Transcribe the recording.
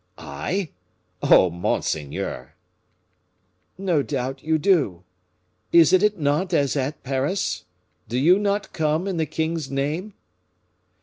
"I? Oh, monseigneur!" "No doubt you do. Is it at Nantes as at Paris? Do you not come in the king's name?"